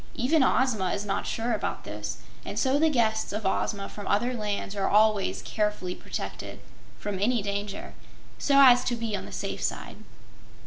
Even Ozma is not sure about this, and so the guests of Ozma from other lands are always carefully protected from any danger, so as to be on the safe side.